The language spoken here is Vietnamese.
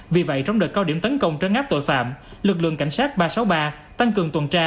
vì vậy trong đợt cao điểm tấn công trấn áp tội phạm lực lượng cảnh sát ba trăm sáu mươi ba tăng cường tuần tra